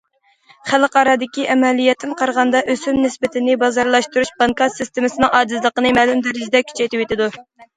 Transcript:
خەلقئارادىكى ئەمەلىيەتتىن قارىغاندا، ئۆسۈم نىسبىتىنى بازارلاشتۇرۇش بانكا سىستېمىسىنىڭ ئاجىزلىقىنى مەلۇم دەرىجىدە كۈچەيتىۋېتىدۇ.